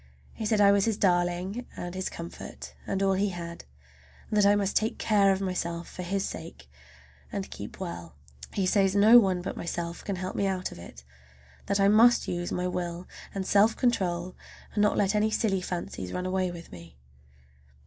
He said I was his darling and his comfort and all he had, and that I must take care of myself for his sake, and keep well. He says no one but myself can help me out of it, that I must use my will and self control and not let any silly fancies run away with me.